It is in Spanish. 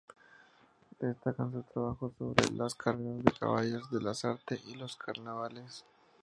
Destacan sus trabajos sobre las carreras de caballos de Lasarte y los carnavales.